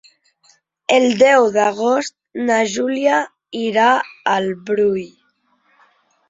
El deu d'agost na Júlia irà al Brull.